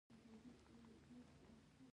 د کندهار په ارغنداب کې د مالګې نښې شته.